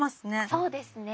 そうですね。